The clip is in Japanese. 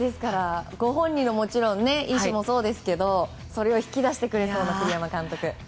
ご本人の意思ももちろんそうですけどそれを引き出してくれそうな栗山監督。